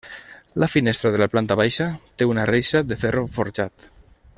La finestra de la planta baixa té una reixa de ferro forjat.